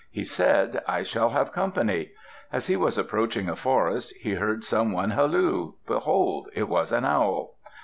He said, "I shall have company." As he was approaching a forest, he heard some one halloo. Behold, it was an owl.